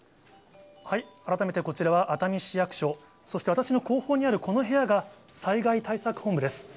改めてこちらは熱海市役所、そして、私の後方にあるこの部屋が、災害対策本部です。